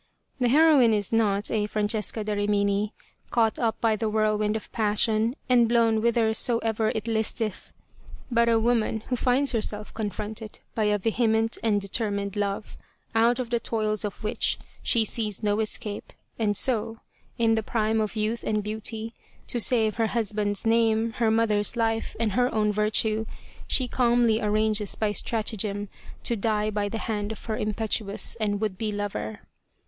The heroine is not a Francesca da Rimini, caught up by the whirlwind of passion and blown whithersoever it listeth, but a woman who finds her self confronted by a vehement and determined love, out of the toils of which she sees no escape, and so, in the prime of youth and beauty, to save her hus band's name, her mother's life, and her own virtue, she calmly arranges by stratagem to die by the hand of her impetuous and would be lover.